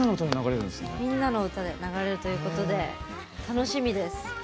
「みんなのうた」で流れるということで楽しみです。